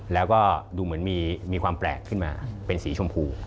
แล้วก็ดูเหมือนมีความแปลกขึ้นมาเป็นสีชมพู